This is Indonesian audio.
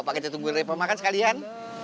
pak kita tunggu repa makan sekalian